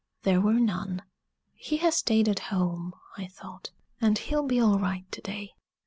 There were none. "He has staid at home," I thought, "and he'll be all right to day!"